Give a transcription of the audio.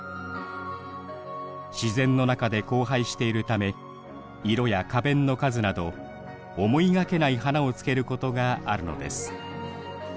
自然の中で交配しているため色や花弁の数など思いがけない花をつけることがあるのです。